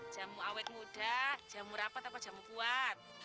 jamu awet muda jamu rapat apa jamu kuat